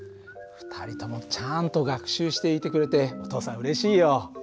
２人ともちゃんと学習していてくれてお父さんうれしいよ。